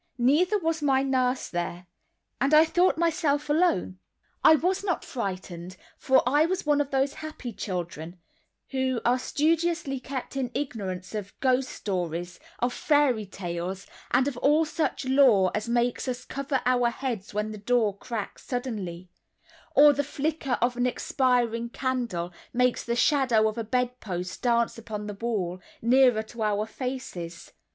Neither was my nurse there; and I thought myself alone. I was not frightened, for I was one of those happy children who are studiously kept in ignorance of ghost stories, of fairy tales, and of all such lore as makes us cover up our heads when the door cracks suddenly, or the flicker of an expiring candle makes the shadow of a bedpost dance upon the wall, nearer to our faces.